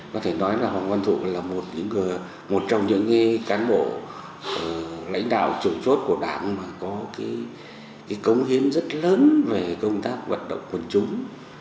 có thể nói là hoàng văn thụ là một trong những cán bộ lãnh đạo chủ chốt của đảng mà có cống hiến rất lớn về công tác vận động quần chúng